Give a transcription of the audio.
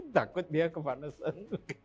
takut dia kepanasan